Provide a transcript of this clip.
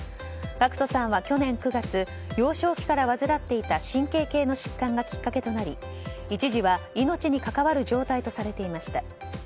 ＧＡＣＫＴさんは去年９月幼少期から患っていた神経系の疾患がきっかけとなり一時は命に関わる状態とされていました。